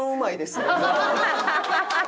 ハハハハ！